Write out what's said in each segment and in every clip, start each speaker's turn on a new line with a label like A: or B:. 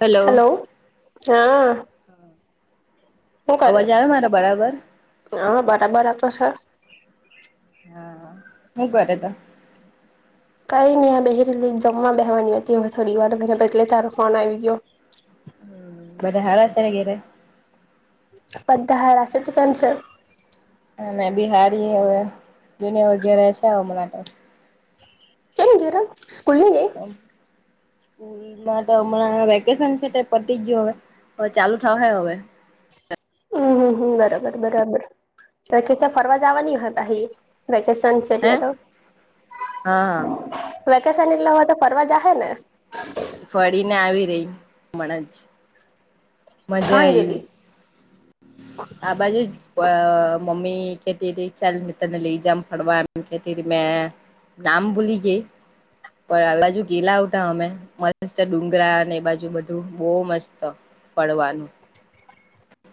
A: Hello.
B: હા. હું કરે
A: અવાજ આવે મારા બરાબર
B: હા બરાબરા તો છે.
A: હા હું કરે ત
B: કઈ ની આ બહે રેલી એક જમવા બેહેવાની હતી હવે થોડી વાર એટલે તારો ફોન આવી ગયો
A: બધા હારા છે ને ઘેરે?
B: બધા હારા છે તું કેમ છે?
A: અને બી હારી હવે જોનિ અવે ધેરે છે, હમણાં ત
B: કેમ ઘરે સ્કૂલની ગેઈ?
A: સ્કૂલમાં તો હમણાં વેકેશન છે તે પતી ગયું હવે અ ચાલુ થહે અવે
B: હમ હમ હમ બરાબર બરાબર કેથે ત ફરવા જવાની અહે પાહી વેકેશન છે
A: હે
B: એટલે તો
A: હા હા
B: વેકેશન‌ એટલે હોય તો ફરવા જાહે ને.
A: ફળીને આવી રહી હમણા જ. મજા
B: કાં ગેલી
A: આયવી. આ બાજુ પ મમ્મી કેતી અતિ ચાર તને લઈ જામ ફડવા એમ કેતી તી મેં નામ ભૂલી ગેય. પણ આ બાજુ ગેલા ઉતા અમે મસ્ત ડુંગરા અનેને એ બાજુ બધું બહ મસ્ત પડવાનું.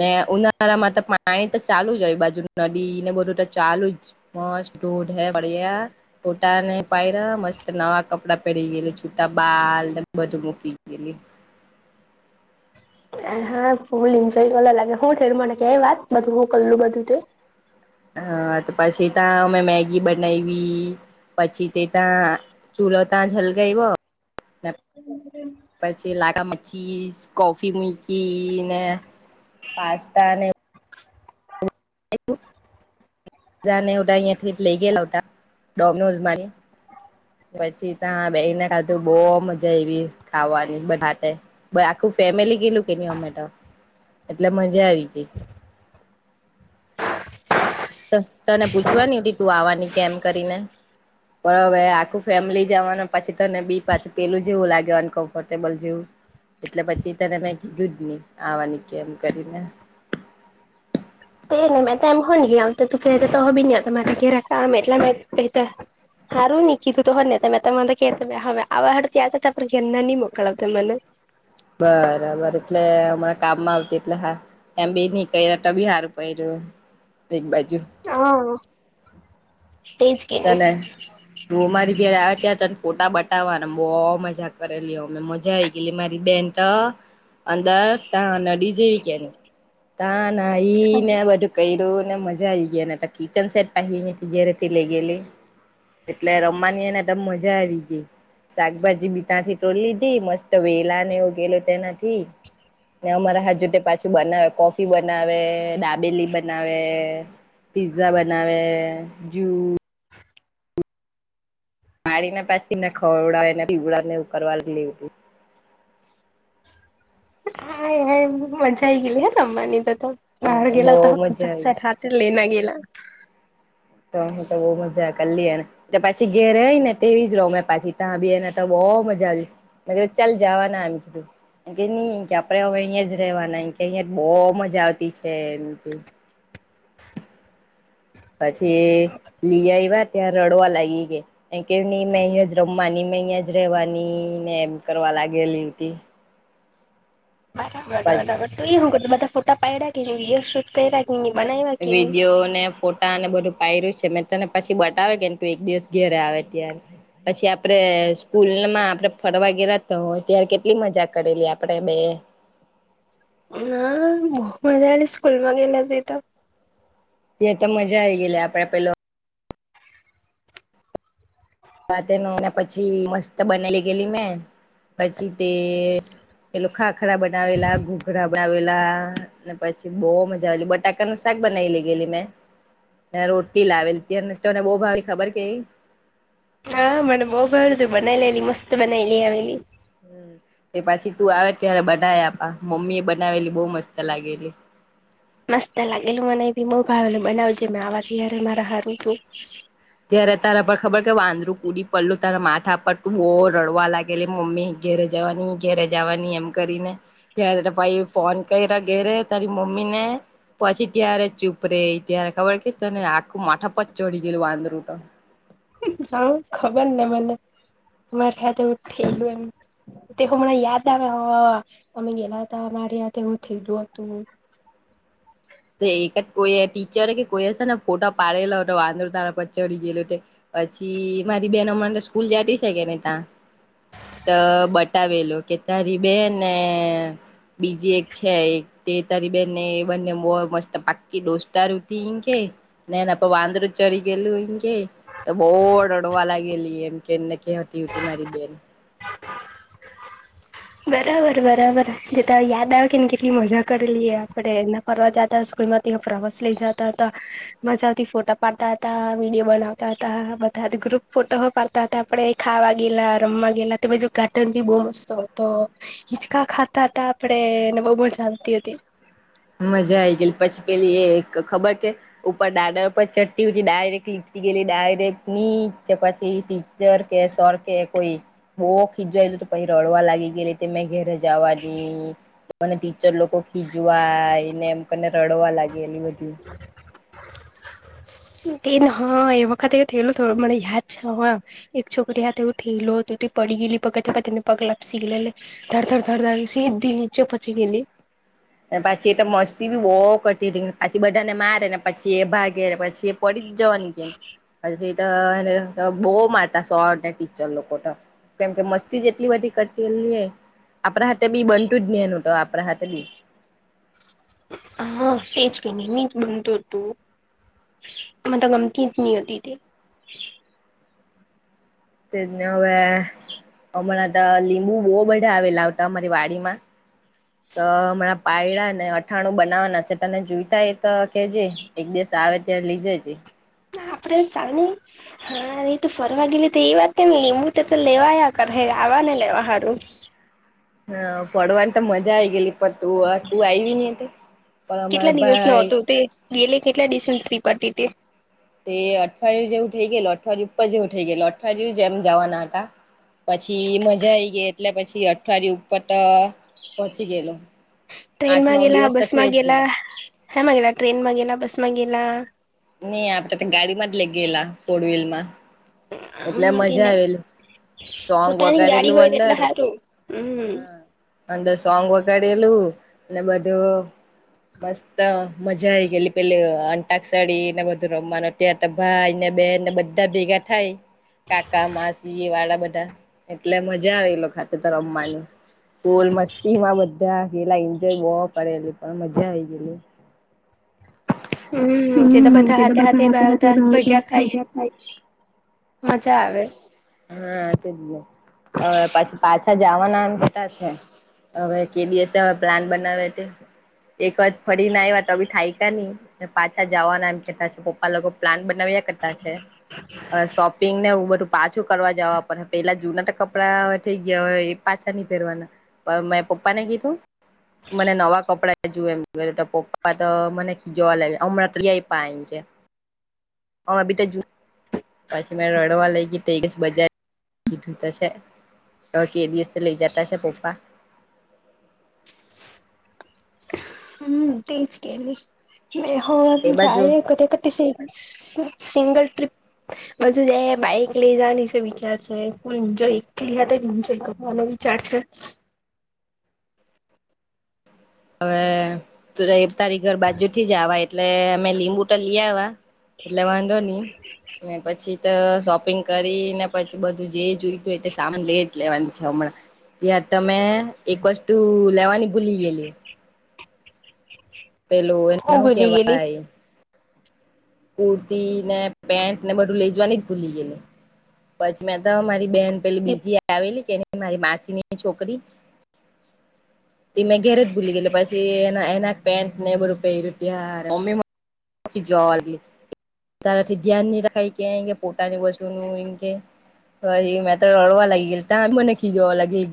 A: ને ઉનાળા માં તો પાણી તો ચાલુ જ હોય બાજુ નદી ને બધું તો ચાલુ જ મસ્તુ. બો [unintelligible] હૈ બડિયા ફોટાને ને પાડ્યા મસ્ત નવા કપડા પહેરી છુટા બાલ ને બધું મકી ગેલી
B: હા ભૂલ એન્જોય કરવા લાગે શું હુ‌ થેલું મને કય વાત બધું હું કરલું બધું તે.
A: હા તો પછી ત્યા અમે મેગી બનાયવી. પછી તે ત્યાં ચૂલો તાચ હલ‌ગાવ્યો. પછી લાકા મચ્છીસ કોફી મુકી ને પાસ્તા અને એ તુ. ચા અને એવું અહીંયાથી લઈ ગયેલા ડોમીનોસ માંની પછી ત્યા બેહિને ખાધું બહ મજા આયવી ખાવાની બધા હાતે વય આખું ફ ફેમિલી ગેલું કે ન અમેટા એટલે મજા આવી ગઈ. તને પૂછવાની તું આવવાની કેમ કરીને. પણ હવે આખું ફેમિલી જવાનું પછી તને બી પાછું પેલું જેવું લાગે અનકમ્ફર્ટેબલ જેવું. એટલે પછી તને મેં કીધું જ નહી આવાની કે એમ કરી ને.
B: [inaudible] તેજ ને મે તો એમ હો ની આવતે તુ કેતો હો બી ની આવતે મારી ઘરે તો [unintelligible] હારું ની કીધું તો હજ ને મેતો કેતે ત મેં તો [unintelligible] ઘરના ની મોકલાવતે મને.
A: બરાબર એટલે હમણાં કામમાં આવતી એટલે હા એમ બી નહ કર બી હારું પયરુ [unintelligible] બાજુ
B: હા. તેજ કે ની
A: તને તું અમારી ઘરે આવે ત્યાંરે તને ફોટા બટ તાવાની બહુ મજા કરેલી અ મજા આવીઈ ગયલી મારી બેન તો અંદર તા નડી જેવી કે ની તા ના હિ ને બધું કર્યું ને મજા આ આવી ગઈ ને કિચન સેટ પાહિ આયાથી ઘરેથી લઈ ગેલી એટલે રમાની ને તમ મજા આવી ગઈ. શાકભાજી બી ત્યાંથી તોડી લીધી મસ્ત વેલા નેવગેલો તેનાથી ને અમારા હાથ જોતે પાછું બનાવે કોફી બનાવે દાબેલી બનાવે. પિઝઝા બનાવે જુસ માળીને પાછીને ખવડાવને પીવડા ને ઉ કરવાર લાગેલી હુતી
B: હાય હાય મજા આયી ગલી હ રમવાની ત. તો બહાર
A: બહુ
B: ગેલા હોતા હ
A: મજા
B: સા
A: આવી
B: સાઠ હાતે લેને ગેલા
A: તો હું તો બઉ મજા કરીલી એને ત પાછી ઘેરે ર એયને તેવી જ રહ મેં પછી ત્યા બી એને તો બો બહુ મજા આવી મે કિ દુ ચાલ જવાના એમ કીધું કે નઈ કે આપણેે હવે અહિયાંયા જ રેવાના કે અહિયાં બહુ મજા આવતી છે એમ કેય પછી લીઆયવા ત્યાંર રડવા લાયગી ગેય એમ કેય ની મે અયાજ રમવાની અહિયાં જ રેવાની ને એમ કરવા લાગેલી હુતી.
B: [unintelligible] બધા ફોટા પાયડા કેની વિડીયો શૂટ કયરા
A: [unintelligible] ને ફોટાને બધું પાયર્યું છે. મેં તને પછી બતાવે કે તું એક દિવસ ઘેરે આવે ત્યારે. પછી આપડે સ્કૂલમાં આપડે [unintelligible] હોય ત્યારે કેટલી મજા કરેલી આપડે બે
B: ના [unintelligible] મજાની સ્કૂલમાં ગેલા જ તો.
A: ત્યાં તો મજા આવી ગયલી આપડે પેલો. [unintelligible] પછી મસ્ત બનેલી ગયેલી મેં પછી તે. પેલું ખાખરા બનાવેલા ઘૂઘરા બનાવેલા અનેને પછી બહુ મજા આવેલી બટાકાનુ [unintelligible] બનાઈ લી ગેલી મેં. રોટી લાવેલી ત તોને બહુ ભાવ ખબર કે.
B: હા મને બહુ [unintelligible] તું બના લેલી મસ્ત બનાલી આવેલી.
A: એ પછી તું આવે કે બનાવી આપ મમ્મી એ બનાવેલી બહ મસ્ત લાગેલી.
B: [inaudible] મસ્ત લાગેલું મને એ બી બહુ ભાવલું બનાવજે મે આવા તયરે મારા હારું તું.
A: ત્યારે તારા પણ ખબર કે વાંદરું કૂડી પડલું તારા માથા પર તું બહ રડવા લાગેલી મમ્મી. ઘેરે જવાની ઘેરે જવાની એમ કરીને ત્યારે ભાઈ ફોન કર્યા ઘેરે તારી મમ્મી. ને પછી ત્યારે ચૂપરે ત્યારે ખબર કે તને આખું માથા પર ચડી ગયું વાંદરું. [unintelligible]
B: હા ખબર ને મને. [unintelligible] ઠેલું એમ તે હુંમણાં યાદ આવ [unintelligible] અમે ગેલા હતા અમા હું થઈલું હતું હું.
A: એકદ કોઈ ટીચર કે કોઈ હશે ને ફોટા પાડેલો વાંદો ત પડી ગે પછી મારી બેનો હમનેં તો સ્કૂલ જતી છે, કે [unintelligible] ત્યાં. તો બટાવલો કે તારી બે ને. બીજી એક છે, તે તારી બેને એ બંને. મસ્ત પાક્કી [unintelligible] રટીી કે નેનેપ વાંદર ચડી ગયલું. કે તો બહુ રડવા લાગેલી એમ કે એમને કેતી મારી બેન. હમ.
B: બરાબર બરાબર [unintelligible] યાદ આવે કે ને કેટલી મજા કરેલીએ આપડે એના ફરવા જતા. સ્કૂલમાં ત્યાં પ્રવાસ લઈ જતા હતા મજાથી ફોટા પાડતા હતા [unintelligible] બનાવતા હતા બધા. ગ્રુપ ફોટો પાડતા હતા આપડે ખાવા ગેલા રમવા ગયેલા તે બધુ ગાર્ટન ભી બહુ મસ્ત. તો હિચકા ખાતા હતા આપેને બહુ પણ ચાલતી હતી.
A: મજા આઈ ગય પછી પેલી એ ખબર કે ઉપર દાડર ઉપર ચટટી ઉટી ડાયરેક્ટ ગયલી ડાયરેક્ટ નીચે પછી ટીચર કે સર કે કોઈ. બહ [unintelligible] તો [unintelligible] રડવા લાગી [unintelligible] મેં ઘેરે. જવા [unintelligible] ટીચર [unintelligible] ખીજવા ને એમને રડવા લાગે એલી બધી.
B: તે હા એ વખત એવું થયેલું થોડું મને યાદ છે, હ એક છોકરી હ એવું થયેલો હત. પડી ગેલી પગ પતિને પગલા શીગલે થર થર થડ સી દ નીચે પછી ગે
A: પછી એ તો મસ્તી બી બહુ [unintelligible] પછી બધાને મારે ને પછી એ ભાગે પછી એ પડી. જવાની છે, પછી બહ મારતા સો ટીચર લોકો તો. કેમ કે મસ્તીજ એટલી બધી [unintelligible] આપણા હાથે બી બનતું જ ન એનું તો આપણા હાથે બી.
B: હા તેજ ક નની જ. [unintelligible] હોતી હતી
A: [unintelligible] હમણાં [unintelligible] બહ બધા આવેલા આવતા અમારી વાડીમાં. તો હમણાં પાયડા ને અઠાણું બનાવવાના છે, તને જોઈતા એ તો કે જે એક દસ આવે ત્યારે લીજો છે.
B: આપડે ચા હા એ તો ફરવા ગેલી તો એ વાત ને લીંબુ તો તો લેવાયા કરે હે. આવાને [unintelligible]
A: હા પડવાની તો મજા આ ગયેલી પણ તું તું આવી ને તો
B: કેટલા દિવસ નો હતો તે ગેલે કેટલા દિવસોની ટ્રીપ હતી તે
A: તે અઠવાડિયું જેવું થઈ ગયલું અઠવાડિયું ઉપર જેવું થઈ ગયલું અઠવાડિયું જે એમ જવાના હતા પછી મજા આઈ ગઈ એટલે પછી અઠવાડિયે ઉપર તો પહોંચી ગયેલું
B: ટ્રેનમાં ગેલા બસમાં ગેલા હેમાં ગેલા ટ્રેનમાં ગેલા બસ માં ગેલા
A: નહી આપડે તો ગાડીમાં જ લઈ ગયેલા ફોર વ્લ માં એટલે
B: હમ તેને
A: મજા આવેલ સોંગ
B: પોતાની ગાડી
A: વગાડેલું
B: હોય એટલે
A: અડર
B: સારું
A: હમ અંદર સોંગ વગાડેલું અને બધું મસ્ત મજા આઈ ગયેલી પેલી અંટાક સાડીી ને બધું રમવાનું તં ભાઈ બે ને બધા ભેગા થાય કાકા માસી વાળા બધા એટલે મજા આવે લોકો ખાત રમવાની ગોલ મસ્તીમાં બધ માલા એન્જોય બહ કરેલી પણ મજા આઈ ગયેલી
B: હમ તે તો બધા હતાા હતા બધા ભગ્યા થાય મજા આવે
A: હા જ હ પછી પાછા જવાના એમ કેતા છે હવે કે દિવસે હવે પ્લાન બનાવે છે એક વાત ફરી ના આવ્યા તો થાય ક ન પાછા જવાના એમ કેતા પપ્પા લોકો પ્લાન બ ન કરતા છે સો બધું પાછું કરવા જવા પર પેલા જૂના તો કપડા થઈ ગયા હોય એ પાછા નની પહેરવાના મેં પપ્પા ને કીધું મને નવા કપડા જુ એમ પપ્પા તો મને ખીજવા લાગે હમણાં ટપ છે હ અભી તો જ પછી મે રડવા લઈ તેસ બજાર કીધું તો છે કે એ દીએસ લઇ જતા છે પપ્પા
B: હમ તે જ કેવી મે હ
A: એ બાજુ
B: જાય કધ કતિ સ સિંગલ ટ્રિપ બજુ જ બાઈક લઈ જની છે વિચાર છે ફૂલ એન્જોય એક એન્જોય કરવાનો વિચાર છે
A: હવે ત એક તારી ઘર બાજુ થી જવા એટલે અમે લીંબુ તો લી આવા એટલે વાંધો નહી અને પછી શોપિંગ કરી ને પછી બધું જે જોઈતું હોય તે સામાન લે જ લેવાનું છે હમણાં યાર તમે એક વસ્તુ લેવાની ભૂલી ગયેલી પેલું એને
B: હું
A: શું
B: ભૂલી ગયેલી
A: કેવાય કુર્તી ને પેન્ટ ને બધું લઈ જવાની જ ભૂલી ગયે પછી મે મારી બેહેન પેલી બીજી આ આવેલી કે મારી માસીની છોકરી તી મેં ઘેરે જજ ભૂલી ગયેલી પછી એના એના પેન્ટ ને બધું પહેર્યું તાર મમ્મી ઓછી જવાી તારાથી ધ્યાન નહીં રખાય ક કે પોતાની વસ્તુનું એ કે હ એ મા રડવા લાગીલ ત મને ખીગવા લાગીલ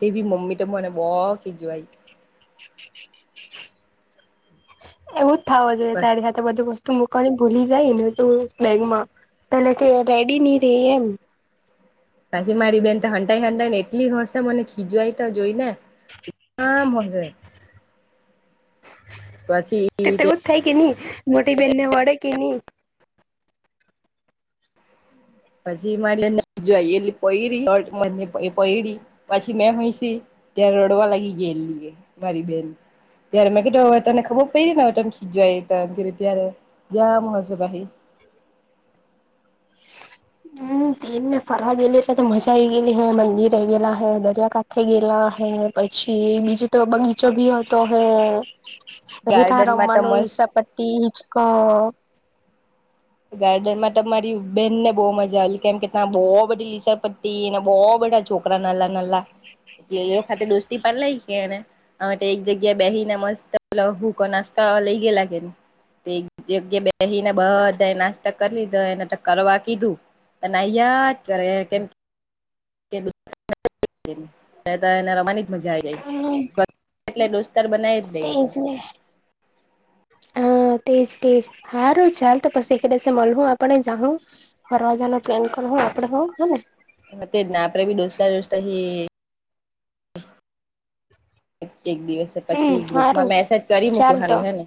A: ગે ભી મમ્મી તો મને બ ખી જવાઈ
B: એવું જ થવ જોઈએ તારી સાથે બધું વસ્તુ હું ક ભૂલી જાય બેગમાં પેલે કે રેડી નહી રે એમ
A: પાછી મારી બેન તો હંટાઈ હંટાઈ ને એટલી હસે મને ખીજવાય તો જોઈ ને એમ મજે
B: હ તે તેવું જ થાય કે નહી મોટી બેનને વડે કે નહી
A: પછી મારે જોઈ એ પ પ પછી મે હય ત્યાં રડવા લાગી ગેલી એ મારી બેન. ત્યારે મે કીધુ હવે તને ખબર પડી ને હવ તન ખીજાય [unintelligible]
B: [inaudible] હુ ગીરને ફરવા ગેલી એટલે તો મજા આવી ગેલી હ, મંદિર એ ગેલા હે, દરિયા કાઠે ગેલા હે પછી બીજું તો બગીચો બી હતો. હન. પહી ત્યાં
A: ગાર્ડનમાં તો
B: રમવાનું
A: મસ્ત
B: લિસરપટ્ટી, હીચકો
A: ગાર્ડનમાં તમારી બેનને બઉ મજા આયલી કેમ કે ત્યાં બો બધી લીસરપટ્ટી ને બો બધા છોકરા નલ્લા નલ્લા. એટલે એક હાથે દોસ્તી પર લઈ કે ને અમે તો એક જગ્યાએ બેહીને મસ્તલ સૂકો નાસ્તા ત લઈ ગેલા કે ની તે એક જગ્યાએ બેહીને બાર તો કર લીધો. એને તો કરવા કીધું પણ આઈયા જ કરે કેમ [unintelligible] એ તો એને રમાની જ મજા આઈ ગઈ. એટલે દોસ્તાર બનાઈ જ દે ઈ તો.
B: [unintelligible] હન, તેઝ તેઝ હારું ચાલ તો પછી એક દિસે મલવું આપડે જાહુ ફરવાજાનો પ્લેન પનહુ આપડે હો, હ ને.
A: હ તે જ ને આપડે બી દોસ્તા-દોસ્તા હી એક દિવસે
B: હમ
A: પછી
B: હારું
A: ગ્રુપમાં મેસેજ કરી
B: ચાલ
A: મૂકું
B: તો
A: સારું હે ને.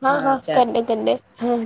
B: હા, હા, કર ડે કર ડે હમ.